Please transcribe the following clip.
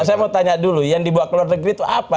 saya mau tanya dulu yang dibuat keluar negeri itu apa